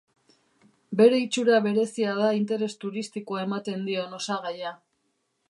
Bere itxura berezia da interes turistikoa ematen dion osagaia.